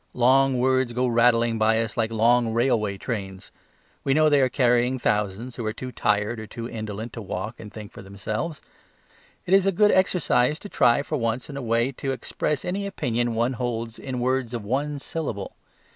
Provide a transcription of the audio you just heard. Long words go rattling by us like long railway trains. We know they are carrying thousands who are too tired or too indolent to walk and think for themselves. It is a good exercise to try for once in a way to express any opinion one holds in words of one syllable.